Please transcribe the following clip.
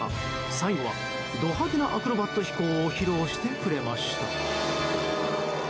最後はド派手なアクロバット飛行を披露してくれました。